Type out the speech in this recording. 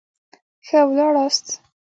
ښه ولاړاست.